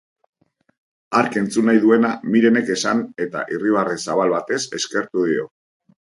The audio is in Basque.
Hark entzun nahi duena Mirenek esan eta irribarre zabal batez eskertu dio.